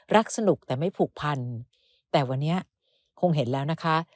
สนุกแต่ไม่ผูกพันแต่วันนี้คงเห็นแล้วนะคะ